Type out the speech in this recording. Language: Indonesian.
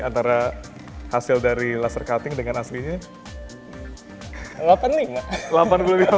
antara hasil dari laser cutting dengan aslinya